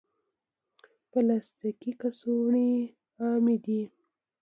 پلاستيکي کڅوړې عامې دي.